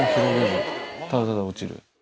ただただ落ちる。